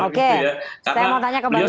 oke saya mau tanya ke bang yos